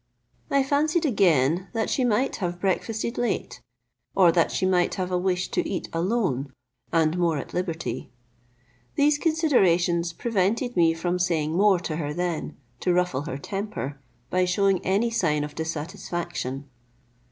I fancied again that she might have breakfasted late, or that she might have a wish to eat alone, and more at liberty. These considerations prevented me from saying more to her then, to ruffle her temper, by shewing any sign of dissatisfaction.